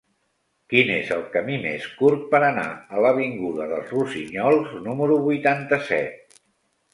Quin és el camí més curt per anar a l'avinguda dels Rossinyols número vuitanta-set?